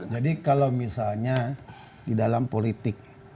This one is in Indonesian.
jadi kalau misalnya dalam politik